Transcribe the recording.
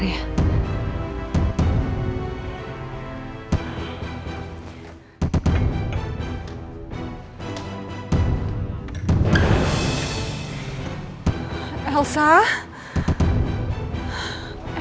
tidak ada apa apa